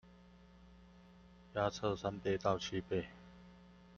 壓測三倍到七倍